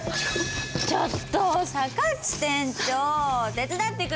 ちょっとさかっち店長手伝って下さいよ。